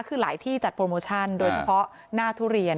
คือหลายที่จัดโปรโมชั่นโดยเฉพาะหน้าทุเรียน